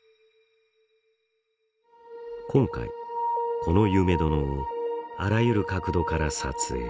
今回、この「夢殿」をあらゆる角度から撮影。